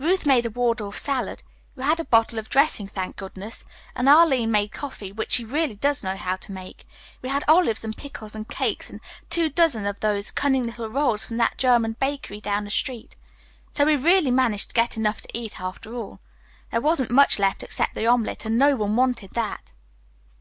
"Ruth made a Waldorf salad. We had a bottle of dressing, thank goodness. And Arline made coffee, which she really does know how to make. We had olives and pickles and cakes, and two dozen of those cunning little rolls from that German bakery down the street. So we really managed to get enough to eat after all. There wasn't much left except the omelet, and no one wanted that."